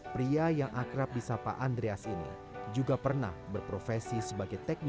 pria yang akrab di sapa andreas ini juga pernah berprofesi sebagai teknologi